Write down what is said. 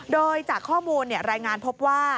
โดยจากข้อมูลรายงานพบว่า